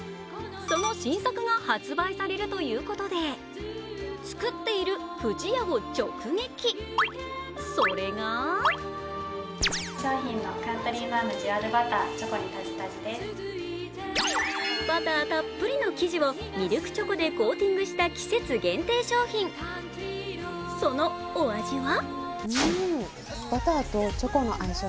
その新作が発売されるということで作っている不二家を直撃、それがバターたっぷりの生地をミルクチョコでコーティングした季節限定商品そのお味は？